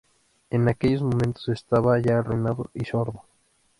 En aquellos momentos estaba ya arruinado y sordo.